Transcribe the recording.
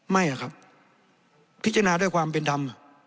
ไม่อะครับพิจารณาด้วยความเป็นธรรม